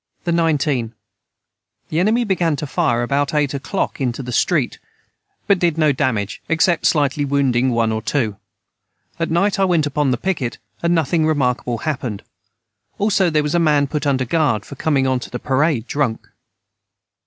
the 19. The enemy began to fire about eight oclock into the street but did no damage except slitely wounding one or too at night I went upon the piquet and Nothing remarkable hapened also their was a man put under guard for comeing on to the parade Drunk.